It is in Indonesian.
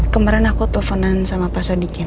kemarin aku teleponan sama pak sodikin